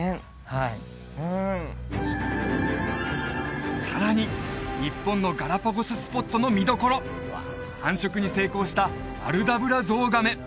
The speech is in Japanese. はいさらに日本のガラパゴススポットの見どころ繁殖に成功したアルダブラゾウガメ